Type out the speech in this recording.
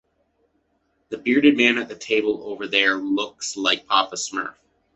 The bearded man at the table over there looks like Papa Smurf.